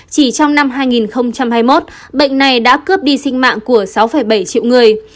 chỉ trong năm hai nghìn hai mươi một bệnh này đã cướp đi sinh mạng của sáu bảy triệu người